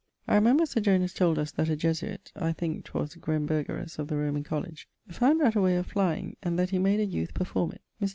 I remember Sir Jonas told us that a Jesuite (I think 'twas Grenbergerus, of the Roman College) found out a way of flying, and that he made a youth performe it. Mr.